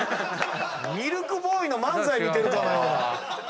ミルクボーイの漫才見てるかのような。